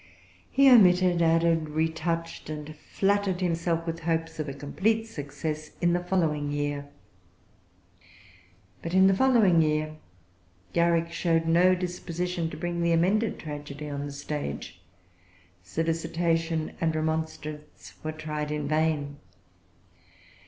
He omitted, added, retouched, and flattered himself with hopes of a complete success in the following year; but in the following year, Garrick showed no disposition to bring the amended tragedy on the stage. Solicitation and remonstrance were tried in vain.